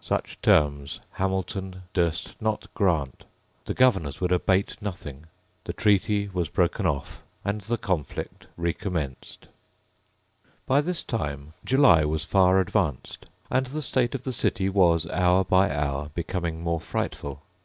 Such terms Hamilton durst not grant: the Governors would abate nothing: the treaty was broken off; and the conflict recommenced, By this time July was far advanced; and the state of the city was, hour by hour, becoming more frightful.